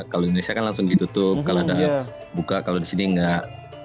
kalau di indonesia kan langsung ditutup kalau ada yang buka kalau di sini nggak